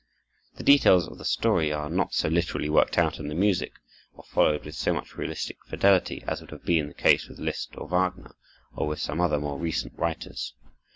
The details of the story are not so literally worked out in the music, or followed with so much realistic fidelity, as would have been the case with Liszt or Wagner, or with some other more recent writers.